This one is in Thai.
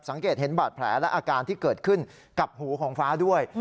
สังเกตเห็นบาดแผลและอาการที่เกิดขึ้นกับหูของฟ้าด้วย